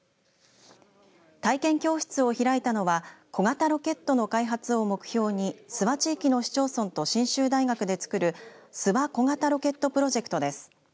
体験教室を開いたのは小型ロケットの開発を目標に諏訪地域の市町村と信州大学で作るＳＵＷＡ小型ロケットプロジェクトです。